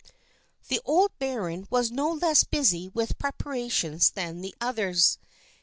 The old baron was no less busy with preparations than the others.